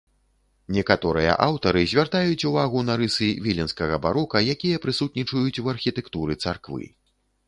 Некаторыя аўтары звяртаюць увагу на рысы віленскага барока, якія прысутнічаюць у архітэктуры царквы.